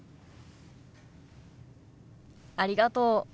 ありがとう。